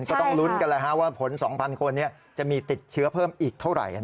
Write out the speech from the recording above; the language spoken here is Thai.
ก็ต้องลุ้นกันว่าผล๒๐๐คนจะมีติดเชื้อเพิ่มอีกเท่าไหร่